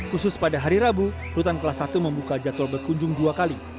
khusus pada hari rabu rutan kelas satu membuka jadwal berkunjung dua kali